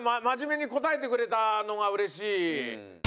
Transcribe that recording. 真面目に答えてくれたのが嬉しい。